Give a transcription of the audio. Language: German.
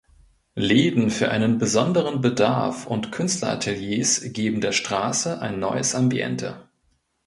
Läden für einen besonderen Bedarf und Künstlerateliers geben der Straße ein neues Ambiente.